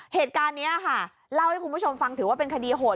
เหตุการณ์นี้ค่ะเล่าให้คุณผู้ชมฟังถือว่าเป็นคดีโหด